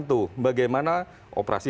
tuh bagaimana operasi